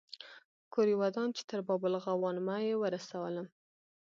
کور یې ودان چې تر باب الغوانمه یې ورسولم.